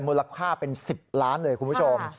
มูลค่าเป็น๑๐ล้านเลยคุณผู้ชม